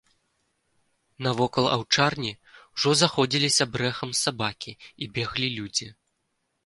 Навокал аўчарні ўжо заходзіліся брэхам сабакі і беглі людзі.